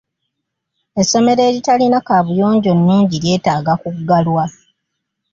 Essomero eritalina kaabuyonjo nnungi lyetaaga kuggalwa.